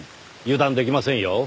油断できませんよ。